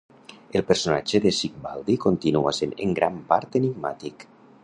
El personatge de Sigvaldi continua sent en gran part enigmàtic.